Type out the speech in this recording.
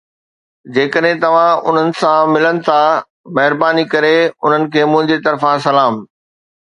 جيڪڏهن توهان انهن سان ملن ٿا، مهرباني ڪري انهن کي منهنجي طرفان سلام.